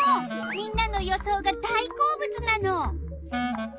みんなの予想が大好物なの。